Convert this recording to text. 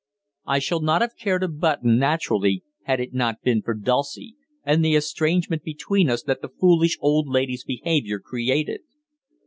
I should not have cared a button, naturally, had it not been for Dulcie and the estrangement between us that the foolish old lady's behaviour created.